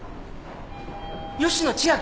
吉野千明？